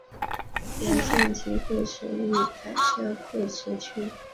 原县级贵池市改设贵池区。